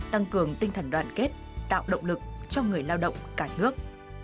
tăng cường tinh thần đoàn kết tạo động lực cho người lao động cả nước